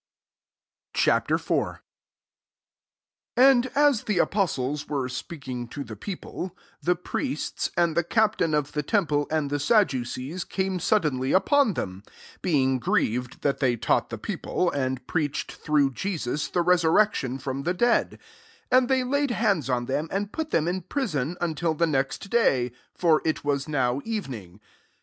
'* Ch. IV. 1 And as the i^/toitfe* were speaking to the people^ the priests, and the captam of the temple, and the Sadducees, came suddenly upon them ; f being grieved that they tati^^ the people, and preaclMf through Jesus the resurreotiM from the dead : 3 and thef fadtf hands on them, and put lAttm in prison until the next day i fti^ it was now evening.